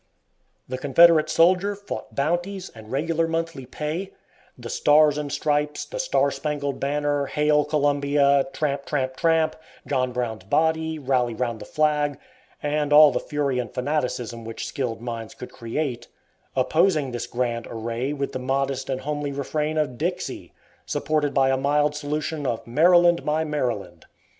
The Confederate soldier fought bounties and regular monthly pay; the "Stars and Stripes," the "Star Spangled Banner," "Hail Columbia," "Tramp, Tramp, Tramp," "John Brown's Body," "Rally round the Flag," and all the fury and fanaticism which skilled minds could create, opposing this grand array with the modest and homely refrain of "Dixie," supported by a mild solution of "Maryland, My Maryland."